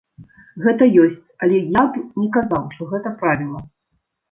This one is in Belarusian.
Гэта ёсць, але я б не казаў, што гэта правіла.